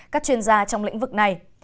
các chuyên gia trong lĩnh vực này